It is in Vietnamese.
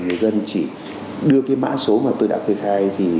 người dân chỉ đưa mã số tôi đã kê khai